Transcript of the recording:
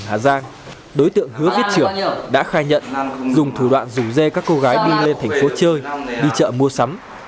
hà giang đối tượng hứa viết trưởng đã khai nhận dùng thủ đoạn rủ dê các cô gái đi lên thành phố chơi đi chợ mua sắm